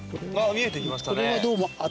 見えてきましたね。